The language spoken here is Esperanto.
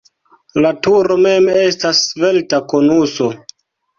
La turo mem estas svelta konuso.